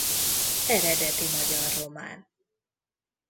Eredeti magyar román.